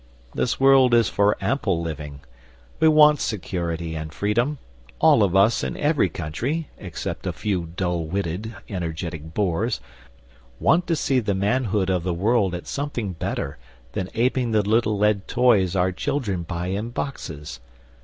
This world is for ample living; we want security and freedom; all of us in every country, except a few dull witted, energetic bores, want to see the manhood of the world at something better than apeing the little lead toys our children buy in boxes.